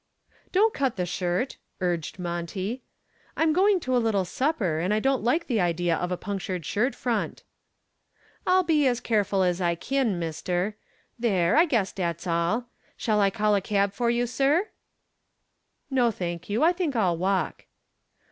"Don't cut the shirt," urged Monty. "I'm going to a little supper and I don't like the idea of a punctured shirt front." "I'll be as careful as I kin, mister. There, I guess dat's all. Shall I call a cab for you, sir?" "No, thank you, I think I'll walk."